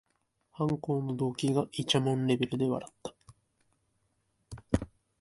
犯行の動機がいちゃもんレベルで笑った